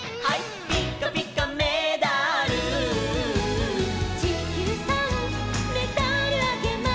「ピッカピカメダル」「ちきゅうさんメダルあげます」